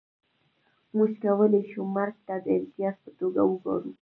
موږ کولای شو مرګ ته د امتیاز په توګه وګورو